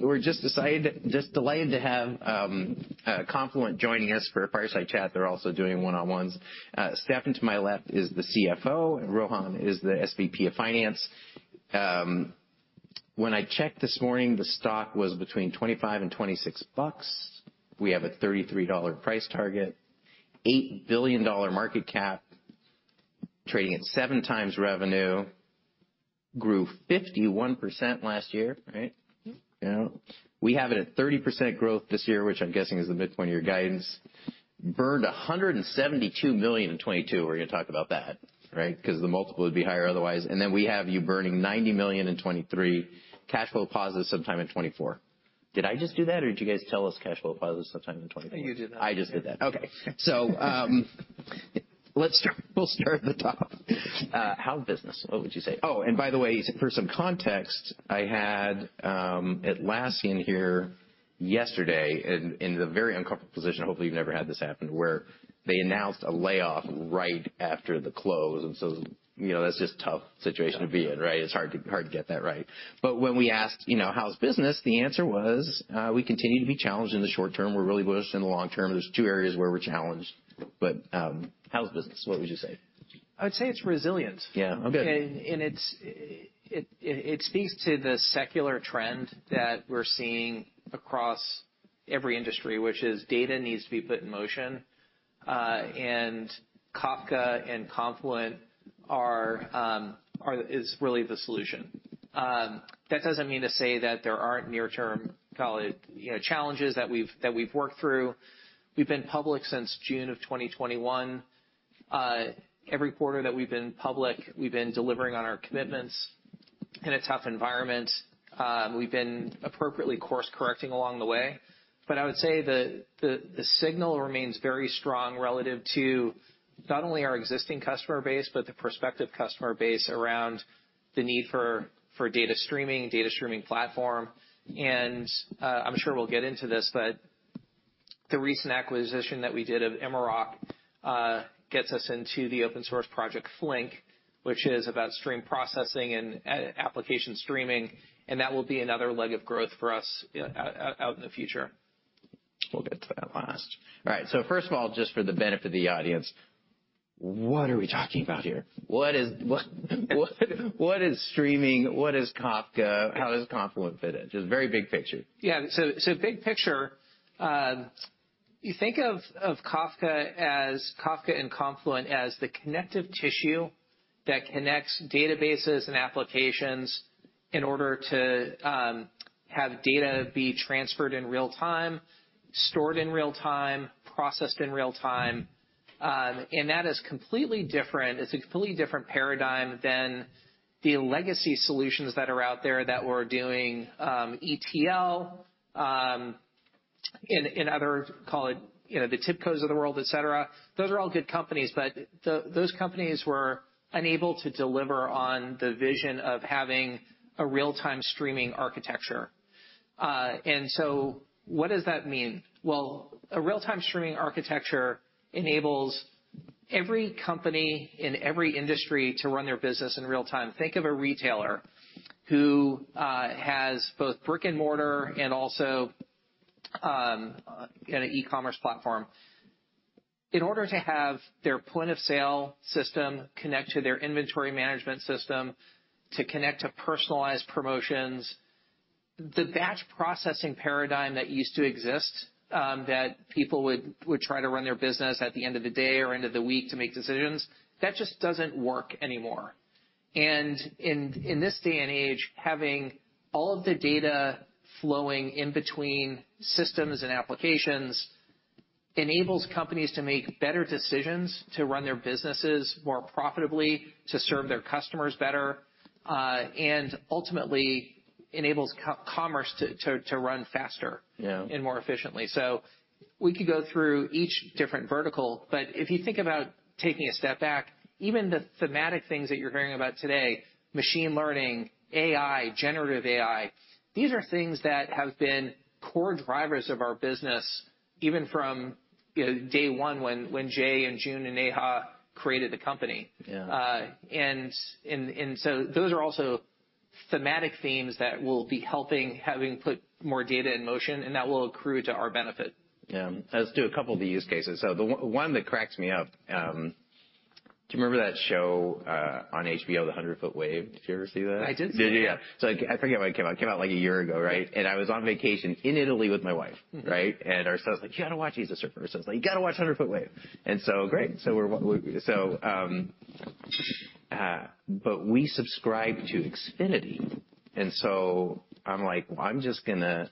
We're just delighted to have Confluent joining us for a Fireside Chat. They're also doing one-on-ones. Steffan to my left is the CFO, and Rohan is the SVP of Finance. When I checked this morning, the stock was between $25 and $26. We have a $33 price target, $8 billion market cap, trading at 7x revenue, grew 51% last year, right? Mm-hmm. You know. We have it at 30% growth this year, which I'm guessing is the midpoint of your guidance. Burned $172 million in 2022. We're gonna talk about that, right? Because the multiple would be higher otherwise. We have you burning $90 million in 2023, cash flow positive sometime in 2024. Did I just do that, or did you guys tell us cash flow positive sometime in 2024? You did that. I just did that. Okay. Let's start, we'll start at the top. How's business? What would you say? By the way, for some context, I had Atlassian here yesterday in the very uncomfortable position, hopefully you've never had this happen, where they announced a layoff right after the close, you know, that's just tough situation to be in, right? It's hard to get that right. When we asked, you know, "How's business?" The answer was, "We continue to be challenged in the short term. We're really bullish in the long term. There's two areas where we're challenged." How's business? What would you say? I'd say it's resilient. Yeah. Okay. It speaks to the secular trend that we're seeing across every industry, which is data needs to be put in motion, and Kafka and Confluent is really the solution. That doesn't mean to say that there aren't near-term call it, you know, challenges that we've worked through. We've been public since June of 2021. Every quarter that we've been public, we've been delivering on our commitments in a tough environment. We've been appropriately course-correcting along the way. I would say the signal remains very strong relative to not only our existing customer base but the prospective customer base around the need for data streaming, data streaming platform. I'm sure we'll get into this, but the recent acquisition that we did of Immerok, gets us into the open source project Flink, which is about stream processing and application streaming, and that will be another leg of growth for us out in the future. We'll get to that last. All right, first of all, just for the benefit of the audience, what are we talking about here? What is streaming? What is Kafka? How does Confluent fit in? Just very big picture. Big picture, you think of Kafka and Confluent as the connective tissue that connects databases and applications in order to have data be transferred in real time, stored in real time, processed in real time. That is completely different. It's a completely different paradigm than the legacy solutions that are out there that were doing ETL and other, call it, you know, the TIBCOs of the world, et cetera. Those are all good companies, but those companies were unable to deliver on the vision of having a real-time streaming architecture. What does that mean? Well, a real-time streaming architecture enables every company in every industry to run their business in real time. Think of a retailer who has both brick-and-mortar and also an e-commerce platform. In order to have their point-of-sale system connect to their inventory management system to connect to personalized promotions, the batch processing paradigm that used to exist, that people would try to run their business at the end of the day or end of the week to make decisions, that just doesn't work anymore. In this day and age, having all of the data flowing in between systems and applications enables companies to make better decisions to run their businesses more profitably, to serve their customers better, and ultimately enables commerce to run faster. Yeah. And more efficiently. We could go through each different vertical, if you think about taking a step back, even the thematic things that you're hearing about today, machine learning, AI, generative AI, these are things that have been core drivers of our business even from, you know, day one when Jay and Jun and Neha created the company. Yeah. Those are also thematic themes that will be helping having put more data in motion and that will accrue to our benefit. Yeah. Let's do a couple of the use cases. The one that cracks me up, do you remember that show on HBO, 100 Foot Wave? Did you ever see that? I did see it. Did you? Yeah. I forget when it came out. It came out, like, a year ago, right? Yeah. I was on vacation in Italy with my wife, right. Mm-hmm. Our son's like, "You gotta watch," he's a surfer, so he's like, "You gotta watch 100 Foot Wave." Great. We subscribe to Xfinity, I'm like, well, I'm just gonna,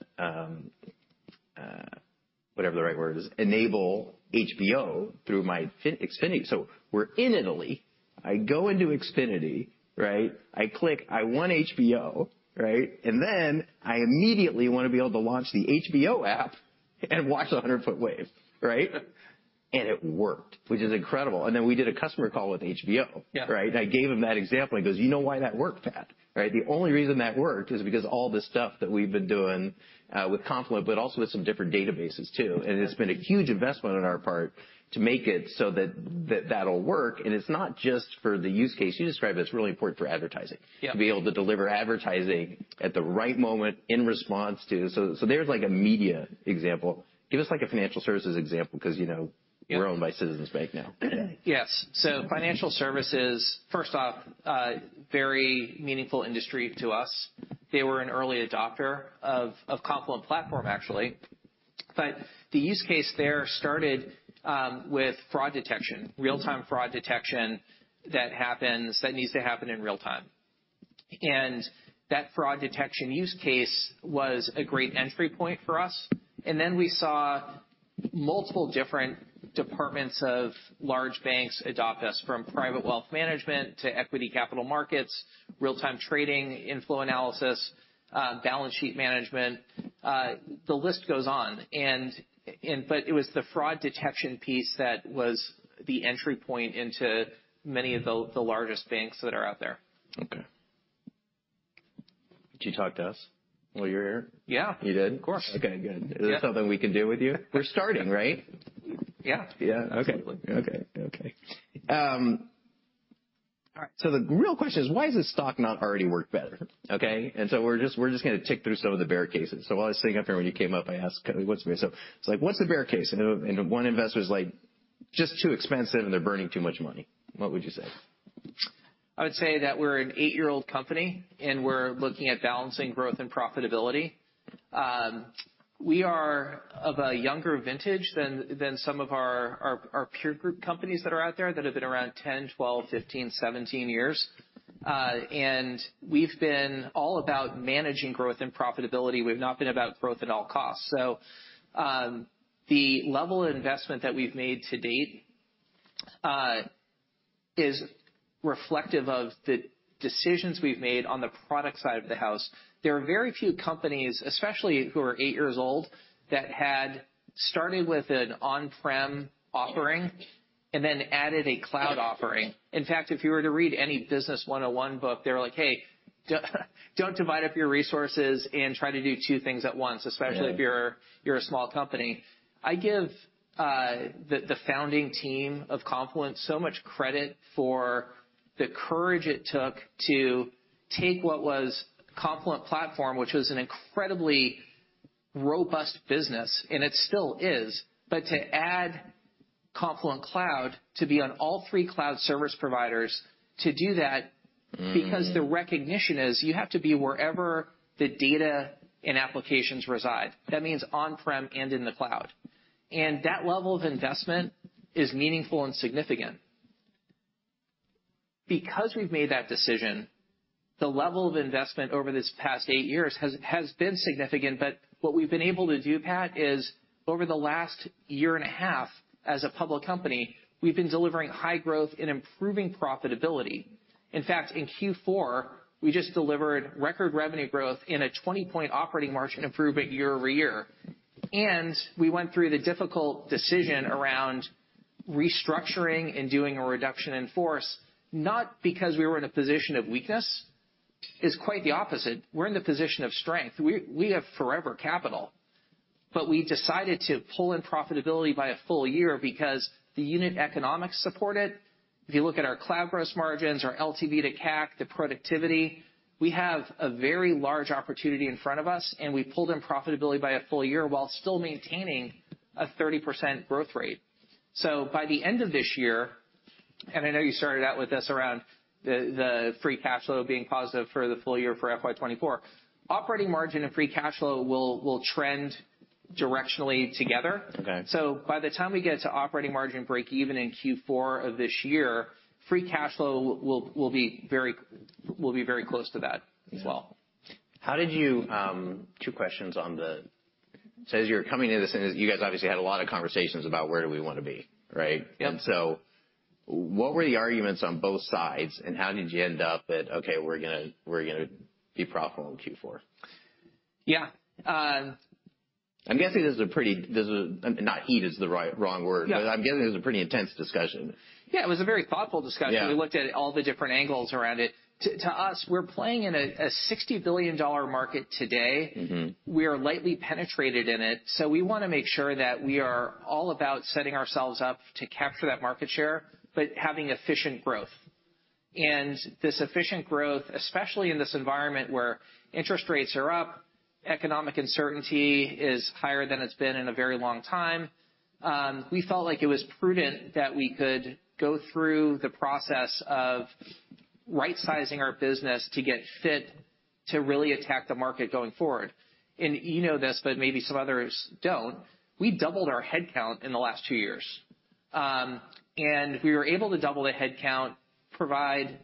whatever the right word is, enable HBO through my Xfinity. We're in Italy. I go into Xfinity, right? I click, I want HBO, right? I immediately wanna be able to launch the HBO app and watch 100 Foot Wave, right? It worked, which is incredible. We did a customer call with HBO. Yeah. Right? I gave him that example. He goes, "You know why that worked, Pat, right? The only reason that worked is because all the stuff that we've been doing with Confluent, but also with some different databases too. Okay. It's been a huge investment on our part to make it so that'll work. It's not just for the use case you described, but it's really important for advertising. Yeah. To be able to deliver advertising at the right moment in response to. So there's like a media example. Give us like a financial services example 'cause, you know, we're owned by Citizens Bank now. Financial services, first off, very meaningful industry to us. They were an early adopter of Confluent Platform, actually. The use case there started with fraud detection, real-time fraud detection that needs to happen in real time. That fraud detection use case was a great entry point for us. Then we saw multiple different departments of large banks adopt us, from private wealth management to equity capital markets, real-time trading, inflow analysis, balance sheet management. The list goes on, and but it was the fraud detection piece that was the entry point into many of the largest banks that are out there. Okay. Did you talk to us while you were here? Yeah. You did? Of course. Okay, good. Yeah. Is there something we can do with you? We're starting, right? Yeah. Yeah. Okay. Absolutely. Okay. Okay. All right. The real question is, why has the stock not already worked better? Okay? We're just gonna tick through some of the bear cases. While I was sitting up here, when you came up, I asked Cody, "What's the bear?" It's like, what's the bear case? One investor is like, "Just too expensive, and they're burning too much money." What would you say? I would say that we're an eight-year-old company, and we're looking at balancing growth and profitability. We are of a younger vintage than some of our peer group companies that are out there that have been around 10, 12, 15, 17 years. We've been all about managing growth and profitability. We've not been about growth at all costs. The level of investment that we've made to date, is reflective of the decisions we've made on the product side of the house. There are very few companies, especially who are eight years old, that had started with an on-prem offering and then added a cloud offering. In fact, if you were to read any business 101 book, they were like, "Hey, don't divide up your resources and try to do two things at once, especially if you're a small company." I give the founding team of Confluent so much credit for the courage it took to take what was Confluent Platform, which was an incredibly robust business, and it still is. To add Confluent Cloud to be on all three cloud service providers, to do that. Mm. because the recognition is you have to be wherever the data and applications reside. That means on-prem and in the cloud. That level of investment is meaningful and significant. Because we've made that decision, the level of investment over this past eight years has been significant, but what we've been able to do, Pat, is over the last year and a half as a public company, we've been delivering high growth and improving profitability. In fact, in Q4, we just delivered record revenue growth in a 20 point operating margin improvement year-over-year. We went through the difficult decision around restructuring and doing a reduction in force, not because we were in a position of weakness. It's quite the opposite. We're in the position of strength. We have forever capital, but we decided to pull in profitability by a full year because the unit economics support it. If you look at our cloud gross margins, our LTV to CAC, the productivity, we have a very large opportunity in front of us, we pulled in profitability by a full year while still maintaining a 30% growth rate. By the end of this year, I know you started out with this around the free cash flow being positive for the full year for FY 2024, operating margin and free cash flow will trend directionally together. Okay. By the time we get to operating margin break even in Q4 of this year, free cash flow will be very close to that as well. As you're coming into this, you guys obviously had a lot of conversations about where do we wanna be, right? Yep. What were the arguments on both sides, and how did you end up at, okay, we're gonna be profitable in Q4? Yeah. I'm guessing this is not heat is the wrong word. No. I'm guessing this is a pretty intense discussion. Yeah, it was a very thoughtful discussion. Yeah. We looked at all the different angles around it. To us, we're playing in a $60 billion market today. Mm-hmm. We are lightly penetrated in it, so we wanna make sure that we are all about setting ourselves up to capture that market share, but having efficient growth. This efficient growth, especially in this environment where interest rates are up, economic uncertainty is higher than it's been in a very long time, we felt like it was prudent that we could go through the process of right-sizing our business to get fit to really attack the market going forward. You know this, but maybe some others don't. We doubled our headcount in the last two years. We were able to double the headcount, provide,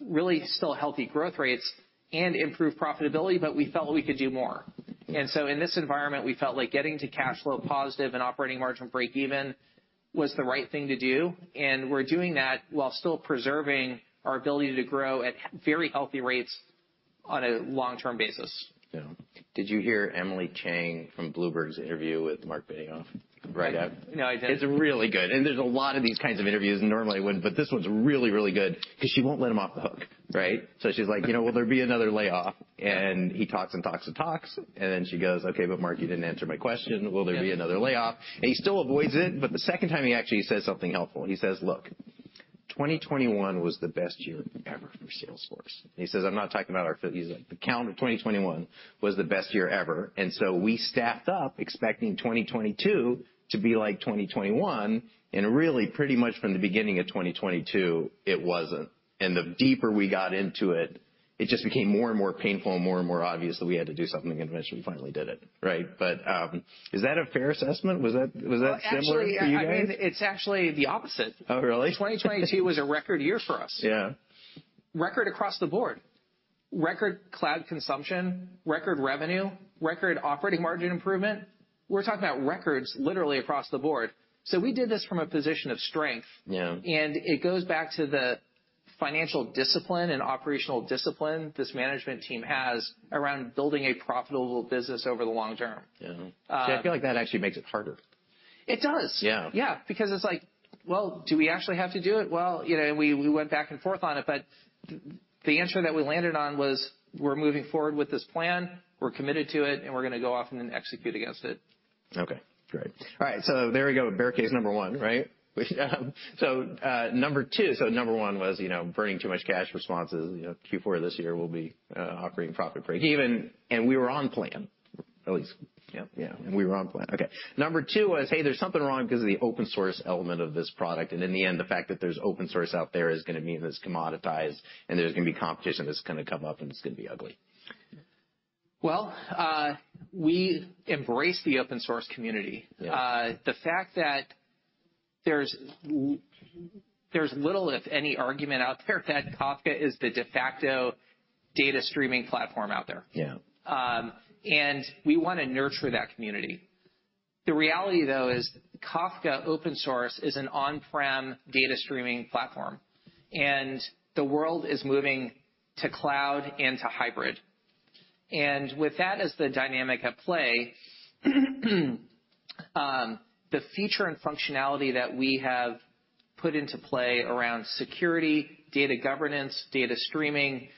really still healthy growth rates and improve profitability, but we felt we could do more. In this environment, we felt like getting to cash flow positive and operating margin break even was the right thing to do, and we're doing that while still preserving our ability to grow at very healthy rates on a long-term basis. Yeah. Did you hear Emily Chang from Bloomberg's interview with Marc Benioff right after? No, I didn't. It's really good. There's a lot of these kinds of interviews. Normally I wouldn't, but this one's really, really good because she won't let him off the hook, right? She's like, "You know, will there be another layoff?" He talks and talks and talks, she goes, "Okay, but Marc, you didn't answer my question. Will there be another layoff?" He still avoids it, but the second time he actually says something helpful. He says, "Look, 2021 was the best year ever for Salesforce." He says, "I'm not talking about our." He's like, "The calendar 2021 was the best year ever. We staffed up expecting 2022 to be like 2021, and really pretty much from the beginning of 2022, it wasn't. The deeper we got into it just became more and more painful and more and more obvious that we had to do something, and eventually we finally did it. Right? Is that a fair assessment? Was that similar for you guys? Actually, I mean, it's actually the opposite. Oh, really? 2022 was a record year for us. Yeah. Record across the board. Record cloud consumption, record revenue, record operating margin improvement. We're talking about records literally across the board. We did this from a position of strength. Yeah. It goes back to the financial discipline and operational discipline this management team has around building a profitable business over the long term. Yeah. See, I feel like that actually makes it harder. It does. Yeah. Yeah, because it's like, well, do we actually have to do it? Well, you know, and we went back and forth on it, but the answer that we landed on was we're moving forward with this plan. We're committed to it, and we're gonna go off and then execute against it. Okay, great. All right, there we go. Bear case number one, right? Number two. Number one was, you know, burning too much cash responses. You know, Q4 this year will be operating profit break even, and we were on plan at least. Yeah. Yeah. We were on plan. Okay. Number two was, hey, there's something wrong 'cause of the open source element of this product, and in the end, the fact that there's open source out there is gonna mean that it's commoditized, and there's gonna be competition that's gonna come up, and it's gonna be ugly. Well, we embrace the open source community. Yeah. The fact that there's little, if any, argument out there that Kafka is the de facto data streaming platform out there. Yeah. We wanna nurture that community. The reality, though, is Kafka open source is an on-prem data streaming platform, and the world is moving to cloud and to hybrid. With that as the dynamic at play, the feature and functionality that we have put into play around security, data governance, data streaming,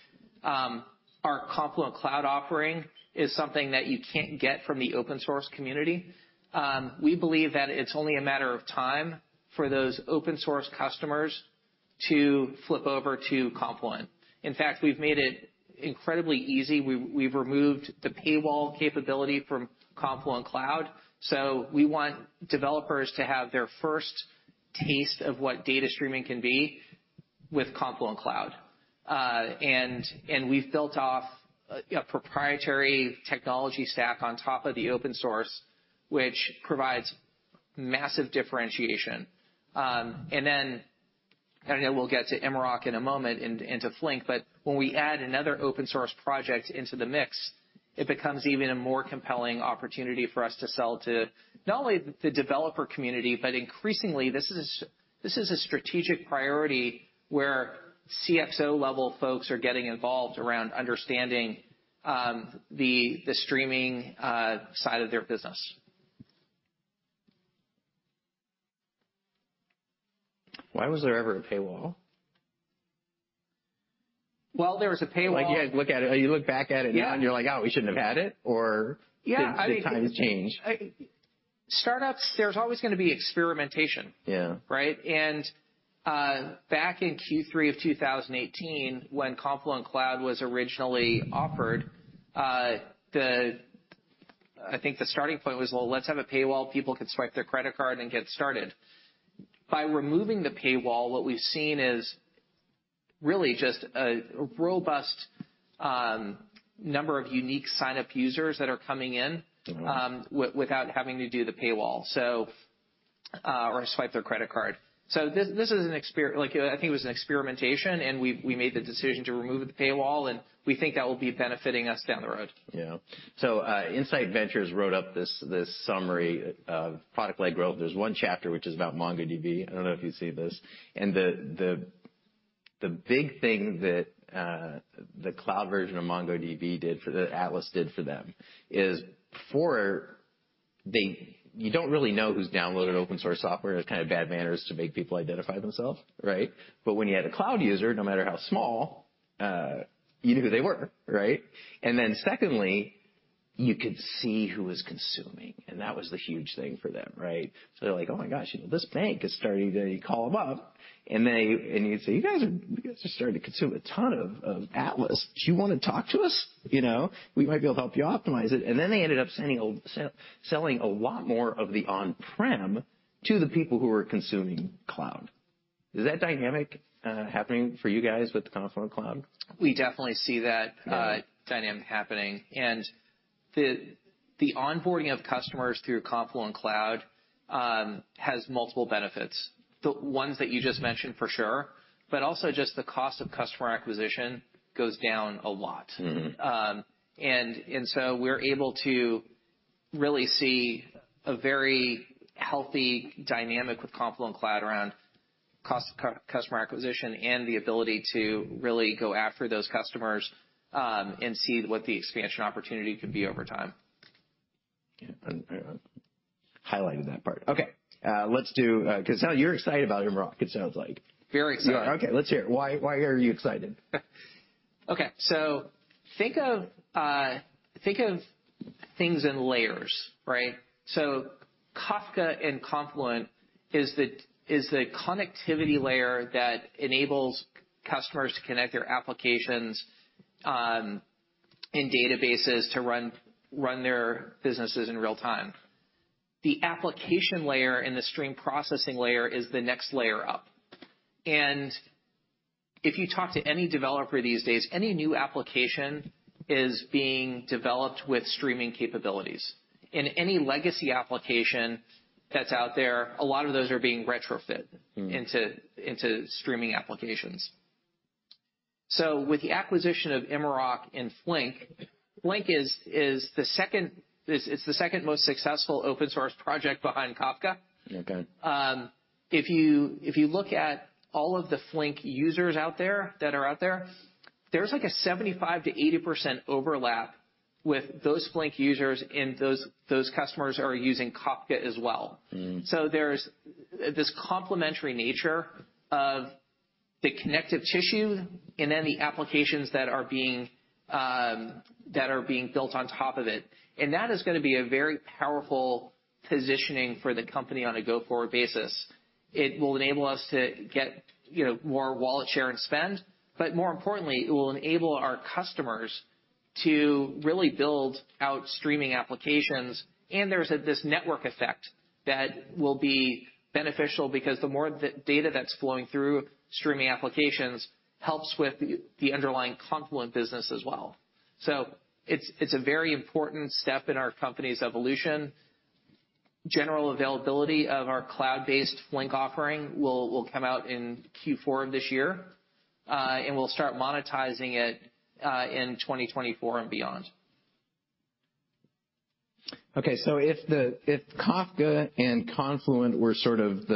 our Confluent Cloud offering is something that you can't get from the open source community. We believe that it's only a matter of time for those open source customers to flip over to Confluent. In fact, we've made it incredibly easy. We've removed the paywall capability from Confluent Cloud. We want developers to have their first taste of what data streaming can be with Confluent Cloud. We've built off a proprietary technology stack on top of the open source, which provides massive differentiation. I know we'll get to Immerok in a moment into Flink, but when we add another open source project into the mix, it becomes even a more compelling opportunity for us to sell to, not only the developer community, but increasingly this is a strategic priority where CXO-level folks are getting involved around understanding the streaming side of their business. Why was there ever a paywall? Well, there was a paywall. Like, yeah, look at it. You look back at it now and you're like, "Oh, we shouldn't have had it," or? Yeah. Did times change? Startups, there's always gonna be experimentation. Yeah. Right? back in Q3 of 2018 when Confluent Cloud was originally offered, I think the starting point was, "Well, let's have a paywall. People can swipe their credit card and get started." By removing the paywall, what we've seen is really just a robust number of unique sign-up users that are coming in. Mm-hmm Without having to do the paywall, or swipe their credit card. This is I think it was an experimentation, we made the decision to remove the paywall, we think that will be benefiting us down the road. Insight Partners wrote up this summary of product-led growth. There's one chapter which is about MongoDB. I don't know if you've seen this. The big thing that the cloud version of MongoDB did for them is for the, you don't really know who's downloaded open source software. It's kind of bad manners to make people identify themselves, right? But when you had a cloud user, no matter how small, you knew who they were, right? Secondly, you could see who was consuming, and that was the huge thing for them, right? They're like, "Oh my gosh, you know, this bank is starting to." They call them up, and you'd say, "You guys are starting to consume a ton of Atlas. Do you wanna talk to us? You know, we might be able to help you optimize it." Then they ended up selling a lot more of the on-prem to the people who are consuming cloud. Is that dynamic happening for you guys with the Confluent Cloud? We definitely see that dynamic happening. The onboarding of customers through Confluent Cloud has multiple benefits. The ones that you just mentioned for sure, but also just the cost of customer acquisition goes down a lot. Mm-hmm. We're able to really see a very healthy dynamic with Confluent Cloud around cost of customer acquisition and the ability to really go after those customers, and see what the expansion opportunity could be over time. Yeah. I'm highlighting that part. Okay. Let's do, 'cause now you're excited about Immerok, it sounds like. Very excited. Okay, let's hear it. Why, why are you excited? Okay. Think of things in layers, right? Kafka and Confluent is the connectivity layer that enables customers to connect their applications and databases to run their businesses in real time. The application layer and the stream processing layer is the next layer up. If you talk to any developer these days, any new application is being developed with streaming capabilities. Any legacy application that's out there, a lot of those are being retrofit- Mm-hmm. Into streaming applications. With the acquisition of Immerok and Flink, it's the second most successful open source project behind Kafka. Okay. If you look at all of the Flink users out there's like a 75%-80% overlap with those Flink users and those customers are using Kafka as well. Mm. There's this complementary nature of the connective tissue and then the applications that are being that are being built on top of it. That is gonna be a very powerful positioning for the company on a go-forward basis. It will enable us to get, you know, more wallet share and spend, but more importantly, it will enable our customers to really build out streaming applications, and there's this network effect that will be beneficial because the more the data that's flowing through streaming applications helps with the underlying Confluent business as well. It's a very important step in our company's evolution. General availability of our cloud-based Flink offering will come out in Q4 of this year. We'll start monetizing it in 2024 and beyond. Kafka and Confluent were sort of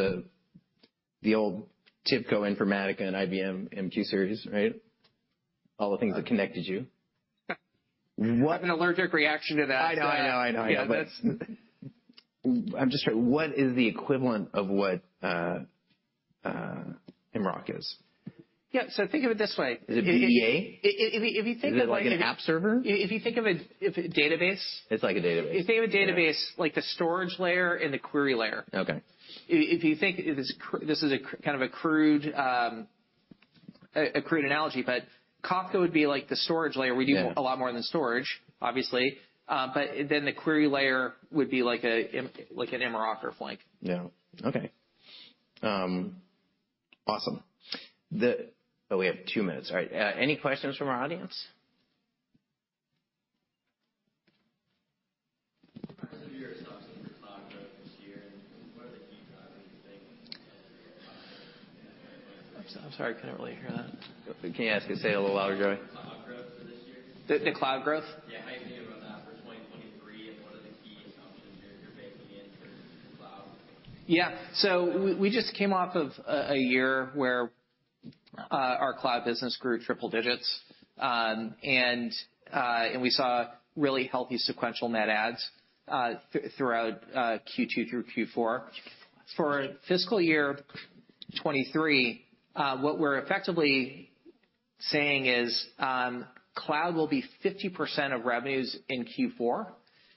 the old TIBCO, Informatica, and IBM MQ Series, right? All the things that connected you. I have an allergic reaction to that. I know. I know. I know. I know. Yeah, that's. What is the equivalent of what Immerok is? Yeah, think of it this way. Is it A2A? If you think of it. Is it like an app server? If you think of a, if a database. It's like a database. If you have a database, like the storage layer and the query layer. Okay. If you think this is kind of a crude analogy, but Kafka would be like the storage layer. Yeah. We do a lot more than storage, obviously. The query layer would be like a, like an Immerok or Flink. Yeah. Okay. Awesome. Oh, we have two minutes. All right. Any questions from our audience? What are some of your assumptions for cloud growth this year, and what are the key driving things in your cloud growth? I'm sorry, I couldn't really hear that. Can you ask him to say it a little louder, Joey? Cloud growth for this year. The cloud growth? Yeah. How are you thinking about that for 2023, and what are the key assumptions there you're making in terms of cloud? Yeah. We just came off of a year where our cloud business grew triple digits. We saw really healthy sequential net adds throughout Q2 through Q4. For fiscal year 2023, what we're effectively saying is cloud will be 50% of revenues inn Q4.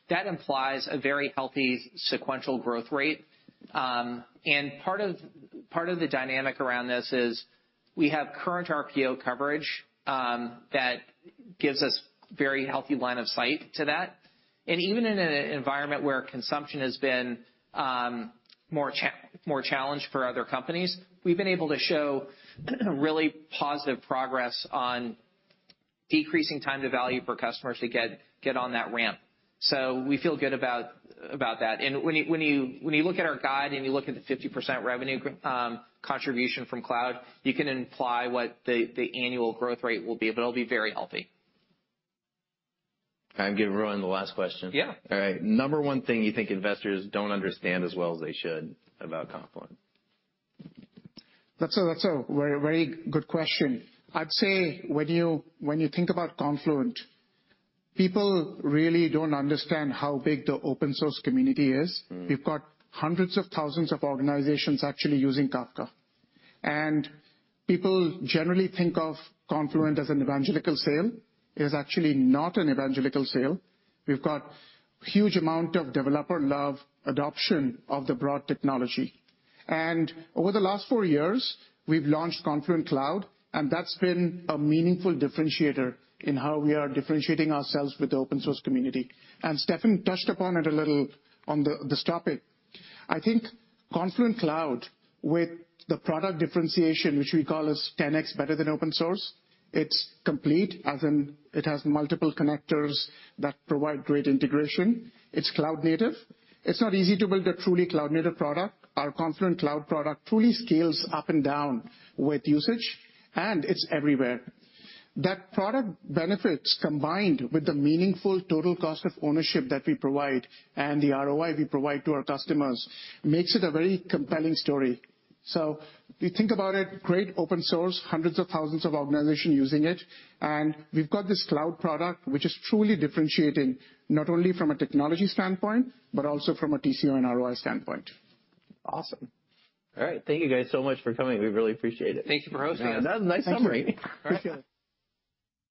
That implies a very healthy sequential growth rate. Part of the dynamic around this is we have current RPO coverage that gives us very healthy line of sight to that. Even in an environment where consumption has been more challenged for other companies, we've been able to show really positive progress on decreasing time to value for customers to get on that ramp. We feel good about that. When you look at our guide and you look at the 50% revenue contribution from cloud, you can imply what the annual growth rate will be, but it'll be very healthy. Can I get Rohan the last question? Yeah. All right. Number one thing you think investors don't understand as well as they should about Confluent? That's a very good question. I'd say when you think about Confluent, people really don't understand how big the open source community is. Mm. We've got hundreds of thousands of organizations actually using Kafka. People generally think of Confluent as an evangelical sale. It is actually not an evangelical sale. We've got huge amount of developer love, adoption of the broad technology. Over the last four years, we have launched Confluent Cloud, and that's been a meaningful differentiator in how we are differentiating ourselves with the open source community. Steffan touched upon it a little on this topic. I think Confluent Cloud with the product differentiation, which we call is 10x better than open source, it's complete, as in it has multiple connectors that provide great integration. It's cloud native. It's not easy to build a truly cloud native product. Our Confluent Cloud product truly scales up and down with usage, and it's everywhere. That product benefits combined with the meaningful total cost of ownership that we provide and the ROI we provide to our customers, makes it a very compelling story. If you think about it, great open source, hundreds of thousands of organizations using it, and we've got this cloud product which is truly differentiating not only from a technology standpoint, but also from a TCO and ROI standpoint. Awesome. All right. Thank you guys so much for coming. We really appreciate it. Thank you for hosting us. That was a nice summary. Appreciate it.